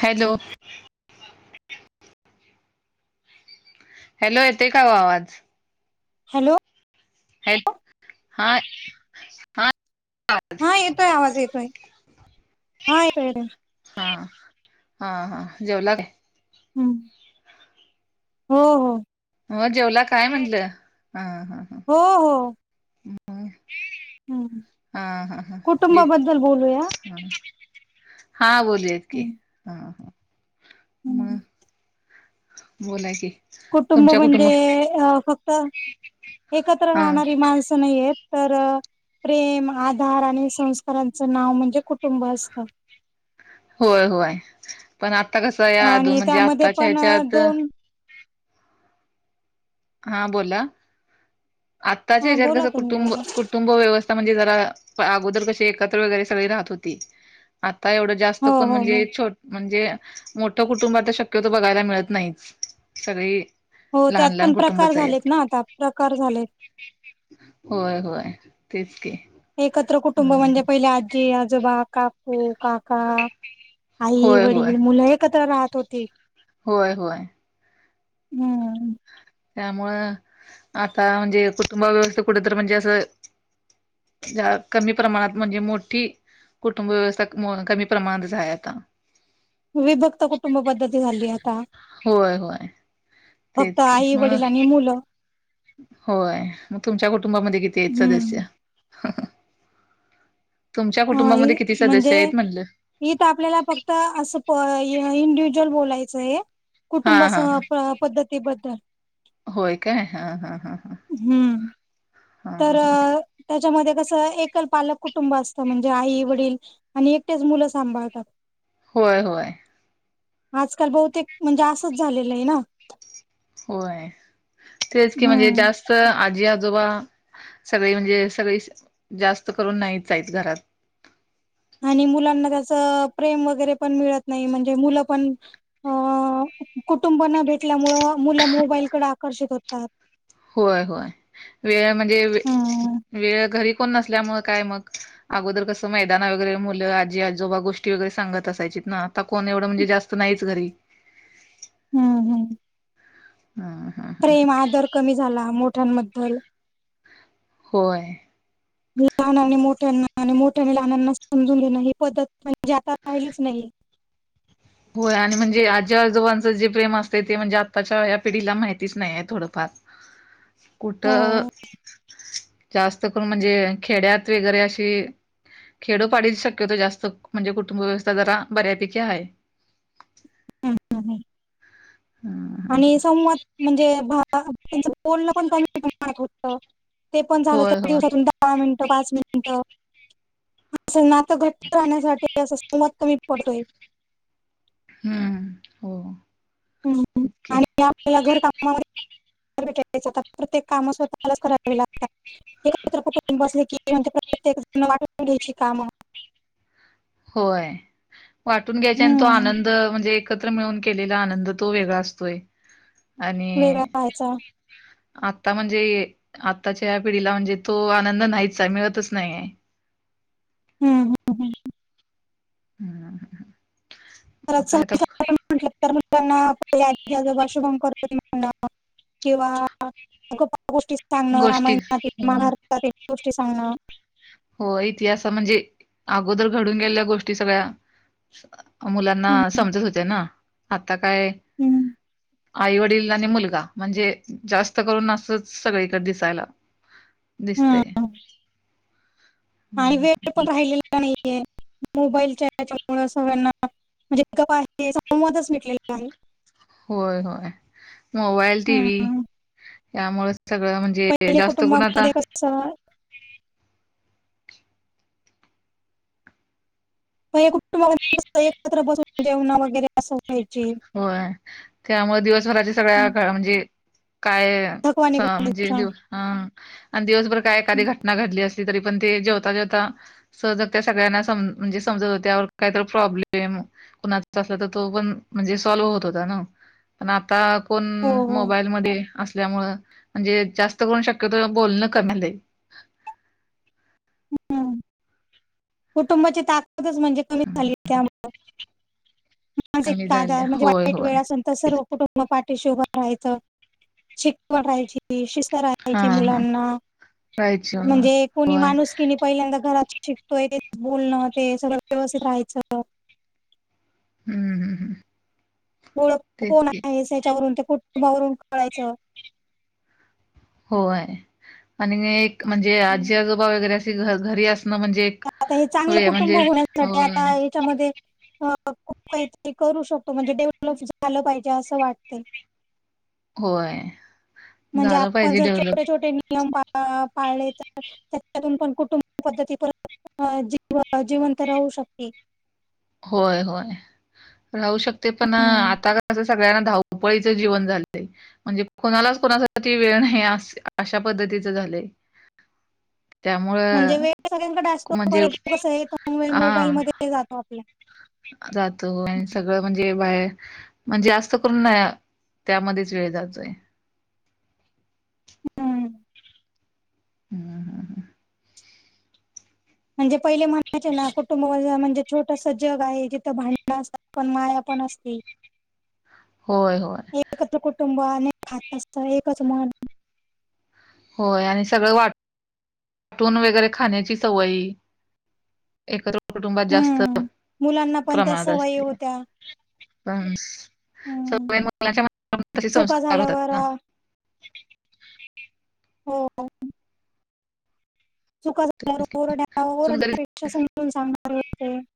Hello. Hello येते का ओ आवाज. हॅलो. हॅलो हा. हा हा येतोय आवाज येतोय हा येतोय. हा हा हा जेवला काय. हम्म. हो हो. न्हव जेवला काय म्हणलं हा हा. हो हो. [inaudible] हम् हा हा हा ह कुटुंबाबद्दल बोलूया. हा बोलूयात की हम्म हा हम्म मग. बोला की. कुटुंब म्हणजे अ फक्त एकत्र हा राहणारी माणसं नाहीयेत. तर प्रेम, आधार आणि संस्कारांचं नाव म्हणजे कुटुंब असतं. होय होय. पण आता कस या अध आणि म्हणजे त्यामध्ये आताच्या पण अ, ह्याच्यात दोन हा बोला. आताच्या हा ह्याज्यात बोला कस तुम्ही कुटुंब बोला कुटुंब व्यवस्था म्हणजे जरा अगोदर कशी एकत्र वगैरे सगळी राहत होती. आता एवढं जास्त हो करून हो हो म्हणजे छो म्हणजे मोठं कुटुंब आता शक्यतो बघायला मिळत नाहीच. सगळी हो. त्यात लहान लहान पण प्रकार कुटुंबच झालेत आहेत ना आता प्रकार झाले होय होय. तेच की एकत्र कुटुंब हम्म म्हणजे पहिले आजी, आजोबा, काकू, काका आई, होय होय वडील, मुलं एकत्र राहत होती. होय होय हम्म. त्यामुळ आता म्हणजे कुटुंब व्यवस्था कुठ तर म्हणजे असं ज्या कमी प्रमाणात म्हणजे मोठी कुटुंब व्यवस्था कमी प्रमाणात दिसाय आता विभक्त कुटुंब पद्धती झालीय आता. होय होय. तेच फक्त की आई म वडील आणि मुलं होय. मग तुमच्या कुटुंबामध्ये किती आहेत सदस्य? हम्म तुमच्या हा कुटुंबामध्ये किती म्हणजे सदस्य आहेत म्हणलं? इथ आपल्याला फक्त असं प इंडिव्हीज्युअल बोलायचाय हाय. हा हा कुटुंबसह पद्धतीबद्दल. होय काय? हा हा हा हा. हम्म. हा तर हा. त्याच्यामध्ये कसं एकलपालक कुटुंब असतं म्हणजे आई, वडील आणि एकटेच मुलं सांभाळतात. होय होय. आजकाल बहुतेक म्हणजे असंच झालेलं आहे ना. होय. तेचं की म्हणजे हम्म जास् च आजी, आजोबा सगळी म्हणजे सगळी जास्त करून नाहीचं आहेत घरात. आणि मुलांना त्याच प्रेम वगैरे पण मिळतं नाही म्हणजे मुलं पण अ कुटुंब न भेटल्यामूळे मुलं मोबाईलकडे आकर्षित होतात. होय होय. वेळ म्हणजे हम्म. वेळ घरी कोण नसल्यामुळे काय मग? अगोदर कसं मैदाना वगैरे मुलं, आजी, आजोबा गोष्टी वगैरे सांगत असायचित ना कोण एवढं म्हणजे जास नाहीचं घरी. हम्म हम्म. हा हा. प्रेम, आदर कमी झाला मोठ्यांबद्दल. होय. [unintelligible] लहानांना मोठ्यांना आणि मोठ्याने लहानांना समजून घेणं ही पद्धत म्हणजे आता राहिलीचं नाही. होय आणि म्हणजे आजी, आजोबा जे प्रेम असत ते म्हणजे आताच्या या पिढीला माहितीच नाही आहे थोडं फार. [unintelligible] कुठं हो. जास्त करून म्हणजे खेड्यात वगैरे अशी खेडो पाडी शक्यतो होतो जास्त म्हणजे कुटुंब व्यवस्था जरा बऱ्यापैकी आहे. हम्म हम्म. हं हं आणि संवाद म्हणजे त्यांच बोलण पण कमी प्रमाणात होत. ते पण झालं होय तर होय दिवसातू दहा मिनिटं, पाच मिनिट असं नातं घट्ट राहण्यासाठी. हे असं संवाद कमी पडतोयं. हम्म हो. हम्म तेच की आणि आपल्याला घर कामामध्ये प्रत्येक काम स्वतः मलाच करावे लागतात एकत्र कुटुंब असले की म्हणजे प्रत्येकण वाटून घ्यायची काम होय वाटून घ्यायचा आणि तो हम्म आनंद म्हणजे एक एकत्र मिळून केलेला आनंद तो वेगळा असतोयं आणि? वेगळा व्हायचा आता म्हणजे आत्ताच्या या पिढीला म्हणजे तो आनंद नाहीच आहे मिळतचं नाहीये. हम्म, हम्म, हम्म हां हां. [unintelligible] म्हटलं तर मुलांना आपल्या आजी-आजोबा शुभम करोती म्हणा किंवा गप्पा, गोष्टी सांगण गोष्टी रामायणातील, महाभारतातील गोष्टी सांगणं हो इतिहास म्हणजे अगोदर घडून गेलेल्या गोष्टी सगळ्या मुलांना हम्म, समजत होते ना आता काय हम्म, आई-वडील आणि मुलगा म्हणजे जास्त करून असंच सगळीकडे दिसायला दिसतंय. हम्म. आणि वेळ पण राहिलेला नाहीये मोबाईलच्या याच्यामुळे सगळ्यांना जितकं पाहिजे संवादचं मिटलेला आहे. होय होय मोबाईल टी व्ही हम्म. यामुळेचं सगळं म्हणजे जास्त करुन आता चला पहील्या कुटुंबामधी कस एकत्र बसून जेवण वगैरे असं व्हायचे. व्हय. त्यामुळे दिवसभराची सगळ्या हम्म. म्हणजे काय ह थकवा निघून म्हणजे जायचा. सामजिजुस हां आणि दिवसभर काय हम्म. एखादी घटना घडली असली तरीपण ते जेवता जेवता सहज त्या सगळ्यांना सम म्हणजे समजवत त्या. त्यावर काहीतर प्रॉब्लेम कुणाचा असल तर तो पण म्हणजे 'सॉल्व्ह होत होता ना, पण आता कोण हो हो. मोबाईल मध्ये असल्यामुळे म्हणजे जास्त करून शक्यतो बोलणं कमी आलय. हम्म. कुटुंबाची ताकदच म्हणजे कमी झाल्या होय होय [unintelligible] मग पाठीशी उभा राहायचं वाटायची ती शिस्त हा राहायची हा. मुलांना. राहायची हम्म म्हणजे कोणी माणूसकीने पहिल्यांदाच घरात शिकतोय ते बोलणं ते सगळं व्यवस्थित राहायचं. ह ह ह. ओळख कोण आहे, ह्याच्यावरून त्या कुटुंबावरून कळायचं. होय, आणि एक म्हणजे हम्म. आजी आजोबा वगैरे, असे घ- घरी असणं म्हणजे एक आता हे चांगलं वे कुटुंब म्हणजे होण्यासाठी होय आता हे त्यामध्ये अ खूप काहीतरी करू शकतो, म्हणजे डेव्हलप झालं पाहिजे असं वाटतय. होय. म्हणजे झालं आपण पाहिजे जर डेव्हलप छोटे छोटे नियम पा- पाळले तर त्याच्यातून पण कुटुंब पद्धती परत जी -जिवंत राहू शकते. होय होय, राहू शकते पण हम्म. आता कसं सगळ्यांना धावपळीच जीवन झालंय. म्हणजे कोणालाच कोणासाठी वेळ नाही अशा पद्धतीच झालंय. [inaudible] म्हणजे त्यामुळं वेळ सगळ्याकडे असतो पर, म्हणजे कसयं वेळ हा मोबाईल मध्ये जातो आपल्या. जातो होय, आणि सगळं म्हणजे बाहेर म्हणजे जास्त करून त्यामध्येच वेळ जातोय. हम्म. ह ह ह. म्हणजे पहिले म्हणायचे ना, कुटुंबा म्हणजे छोटसं जग आहे जिथं भांडण असतात. पण मायापण असते. होय होय. एकत्र कुटुंब अनेक हात असत. एकच म्हन... होय. आणि सगळं वाट वाटून वगैरे खाण्याची सवय. एकत्र कुटुंबात जास्त हम्म मुलांना पण त्या प्रमाणात सवयी असते. होत्या हम्म सग [inaudible] मुलाच्यासे चुका संस्कार होतात झाल्यावर ना. अ, हो ओ. चुका तेच की. झाल्या ओरढन्या चूक ओरढन्या जरी पेक्षा समजून सांभे होते. [unintelligible]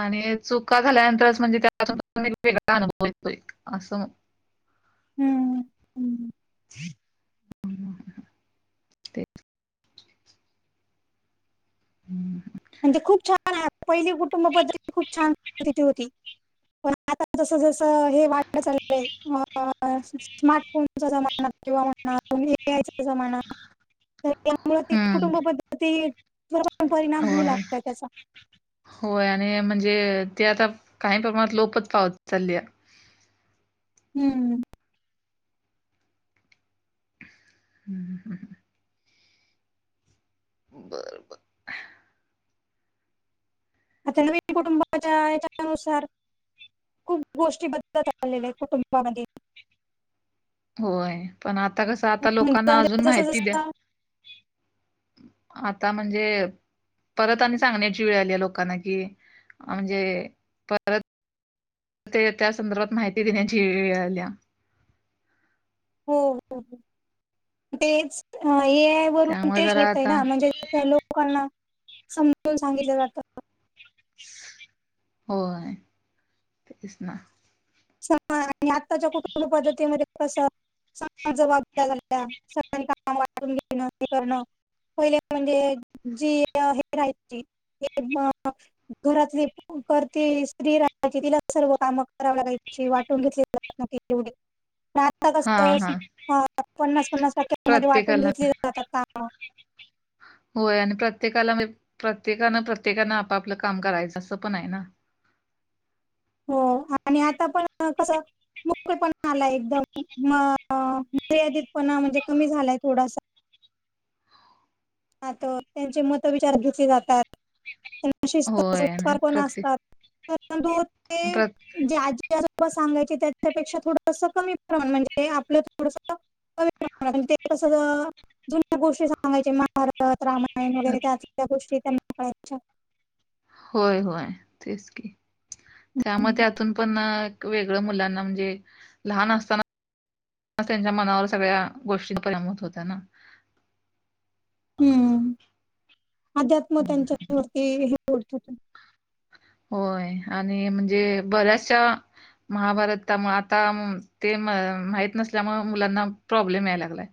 आणि चुका झाल्यानंतरच म्हणजे त्यातून वेगळा अनुभव येतोय असं. हम्म हम्म! ह [inaudible] ते हं हा. म्हणजे खूप छान आहे पहिली कुटुंब पद्धती खूप छानरीती होती. पण, आता जस जस हे वाट चाल आहे. स्मार्टफोनचा जमा किंवा, हा म्हणा तुम्ही यायचंं म्हणा. त्याच्यामुळ, ते कुटुंबपद्धती ते सर् परिणाम होऊ होय लागतय त्याचा. होय आणि म्हणजे ते आता काही प्रमाणात लोपच पावत चालली आहे. हम्म. हम ह. बर बर. अ त्यां व कुटुंबाच्या याच्यानुसार खूप गोष्टी बद्दल चाललेल्या आहेत कुटुंबामध्ये होय पण आता कसं आता लोकांना म्हणजे अजून जसं माहिती द्या. जसं आता म्हणजे परत आणि सांगण्याची वेळ आली आहे लोकांना कि म्हणजे परत ते त्या संदर्भात माहिती देण्याची वेळ आल्या. हो हो हो तेच ए आय वरून त्यामुळे तेच जरा होतय आता ना म्हणजे लोकांना समजून सांगितलं जातं. होय. तेच ना- समा आणि आत्ताच्या कुटुंब पद्धतीमध्ये कसं, सग जबाबदार झाल्या सगळ्यांनी काम वाटून घेणं, हे करणं. पहिले म्हणजे जी हे राहायची. ते म घरातली करते स्त्री राहायची तिला सर्व काम करावी लागय. वाटून घेतली जात. वाढता हा कस हा पन्नास पन्नास टक्क्या म वाटून प्रत्येकाला घेतली. का? [inaudible] होय आणि प्रत्येकाला प्रत्येकान प्रत्येकान आपापलं काम करायचं असं पण आहे ना. हो आणि आता पण कसं? मोकळे पण आलाय एकदम मर्यादित पणा म्हणजे कमी झालाय थोडासा त्यांचे मत विचार घेतली जातात त्यांना होय आणि शिस्तस्कार कोण प्रत्येक असतात. परंतु ते प्र ज ज्याजो सांगायचे त्याच्यापेक्षा थोडंस कमी प्रमाण म्हणजे आपलं थोडस कमी ते कस जुन्या गोष्टी सांगायचे. भारत रामायण वगैरे त्या त्या गोष्टी त्यां काळायच्या होय होय तेच की त्यामुळे त्यातून पण वेगळं मुलांना म्हणजे लहान असताना त्यांच्या मनावर सगळ्या गोष्टी परिणाम होत्या ना. हम्म अध्यात्म हम्म. त्यांच्या वती हे त होय आणि म्हणजे बऱ्याचशा महाभारतामुळे आता ते माहत नसल्यामुळे मुलांना प्रॉब्लेम यायला लागलाय.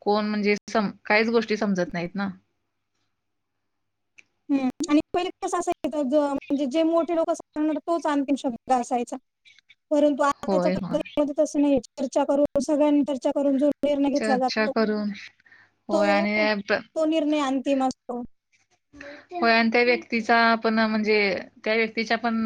कोण म्हणजे स काहीच गोष्टी समजत नाहीत ना. हम्म आणि पहिले कसं असाय म्हणजे जे मोठे लोक सांणार तोच आणंतीम शब्द असायचा. परंतु आताच्या होय होय पद्धतीमध्ये तस नाही चर्चा करून सगळ्यांनी चर्चा करून जो निर्णय घेतला चर्चा जातो करून होय तो आणि प्र- तो निर्णय अंतिम असतो. [unintelligible] होय आणि त्या व्यक्तीचा पण म्हणजे त्या व्यक्तीच्या पण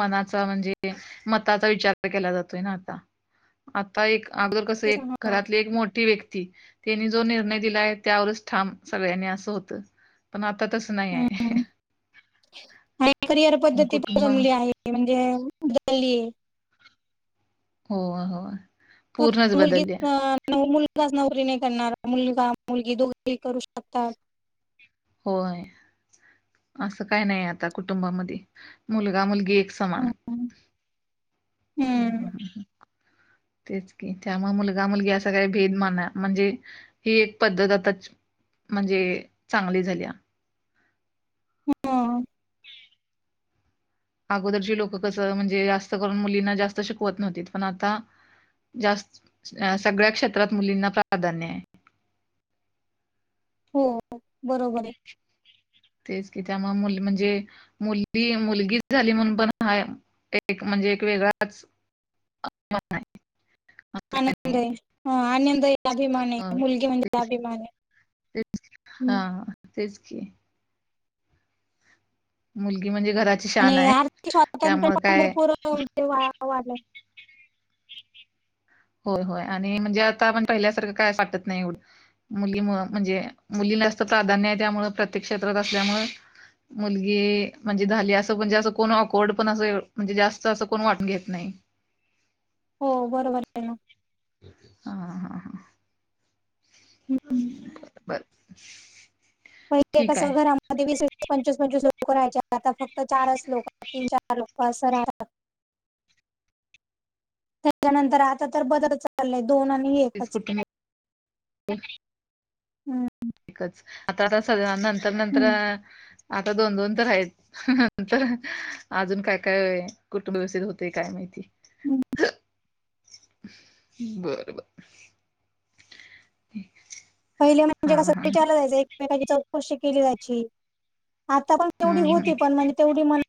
मनाच म्हणजे मताचा विचार केला जातोय ना आता आता एक अगदर कसं तेच, एक हा. घरातली एक मोठी व्यक्ती त्यांनी जो निर्णय दिला आहे त्यावरच ठाम सगळ्यांनी असं होतं. पण आता तस नाही आहे हम्म. [inaudible] मग कुटुंब ते म्हणजे गली हो हो पूर्णच फक्त मुलगी बदलल्या. अं, मुलगाच नवररी नाही करणार मुलगा मुलगी दोघेही करू शकतात. होय असं काय नाही आता कुटुंबामध्ये मुलगा-मुलगी समान. हम्म. हा हम्म. हा हा तेच की, त्यामुळे मुलगा, मुलगी असं काही भेदमान म्हणजे ही एक पद्धत आताची, म्हणजे चांगली झाल्या. हम. [inaudible] अगोदरची लोकं कसं, म्हणजे जास्त करून मुलींना जास्त शिकवत नव्हतीत पण आता जास्त, अ सगळ्या क्षेत्रात मुलींना प्राधान्य आहे. हो बरोबर आहे. [inaudible] तेच की त्यामुळे मुली म्हणजे मुलगी, मुलगीच झाली म्हणून पण हा एक म्हणजे एक वेगळाच [inaudible] नाही असं काही नाही आनंदय, हा आनंदय अभिमान आहे मुलगी म्हणजे अभिमान आहे. तेच हम्म. हा, तेच की. मुलगी म्हणजे घरा आणि आर्थिक स्वातंत्र्य पं भरपूर वा वा. होय होय आणि म्हणजे आता आपण पहिल्यासारखं काय वाटत नाही एवढं. मुलीमु म्हणजे मुली जास्त प्राधान्य आहे त्यामु प्रत्येक क्षेत्रात असल्यामुळे मुलगी म्हणजे झाली असं पणजे असं कोण अकवर्ड पण अस म्हणजे जास्त असं कोण वाटून घेत नाही. हो बरोबर हाय ना. हा हा हा. हम्म. बरं. पहिले कसे घरामध्ये वीस वीस, पंचवीस पंचवीस, लोक राहायचे आता फक्त चारच लोक, तीन-चार लोक. पसारा. त्याच्यानंतर आता तर बदल चाललंय. दोन आणि एक. [unintelligible] हम्म. एकच, आता आता सगळ्यांना नंतर नंतर, हम्म. अ आता दोन-दोन तर हाईत. तर, अजून काय काय, कुठं व्यवस्थित होतंय काय. हम्. [inaudible] बर बर. पहिले म्हणजे हा कसं हा विचारलं जायचं एकमेकांची चौकशी केली जायची, आता पण तेवढी हम्म हम्म होती पण, म्हणजे तेवढ म्हण